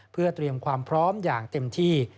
เพื่อเตรียมความพร้อมอย่างเต็มที่